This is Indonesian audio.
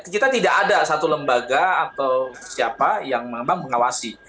kita tidak ada satu lembaga atau siapa yang memang mengawasi